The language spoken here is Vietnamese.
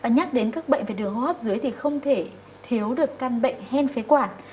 nhắc đến các bệnh về đường hô hấp dưới thì không thể thiếu được căn bệnh hen phế quản